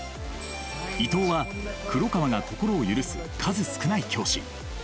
伊藤は黒川が心を許す数少ない教師。